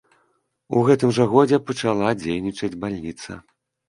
У гэтым жа годзе пачала дзейнічаць бальніца.